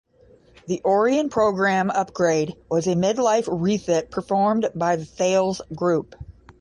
The Orion Program Upgrade was a mid-life refit performed by the Thales Group.